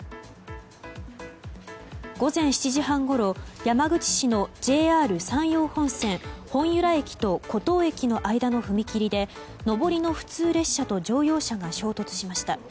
午前７時半ごろ山口市のＪＲ山陽本線本由良駅と厚東駅の間の踏切で上りの普通列車と乗用車が衝突しました。